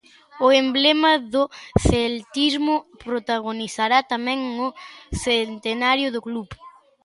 O emblema do celtismo protagonizará tamén o centenario do club.